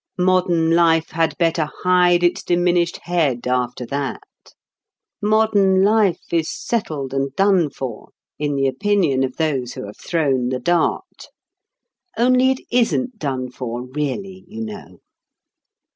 Modern life had better hide its diminished head, after that. Modern life is settled and done for in the opinion of those who have thrown the dart. Only it isn't done for, really, you know.